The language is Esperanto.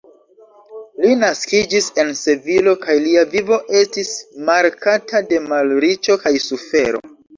Li naskiĝis en Sevilo kaj lia vivo estis markata de malriĉo kaj sufero.